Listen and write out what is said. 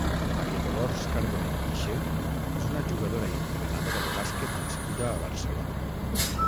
Maria Dolors Carbonell Guixé és una jugadora i entrenadora de bàsquet nascuda a Barcelona.